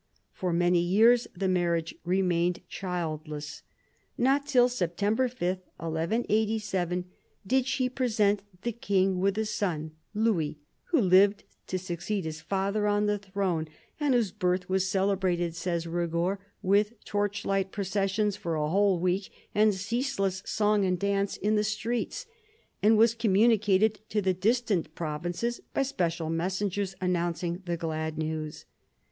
For many years the marriage remained childless. Not till September 5, 1187, did she present the king with a son, Louis, who lived to succeed his father on the throne, and whose birth was celebrated, says Eigord, with torch light processions for a whole week and ceaseless song and dance in the streets, and was communicated to the distant provinces by special messengers announcing the glad news.